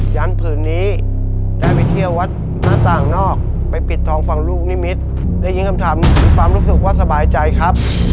ผืนนี้ได้ไปเที่ยววัดหน้าต่างนอกไปปิดทองฝั่งลูกนิมิตรได้ยินคำถามความรู้สึกว่าสบายใจครับ